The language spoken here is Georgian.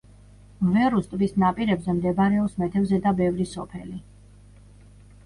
მვერუს ტბის ნაპირებზე მდებარეობს მეთევზეთა ბევრი სოფელი.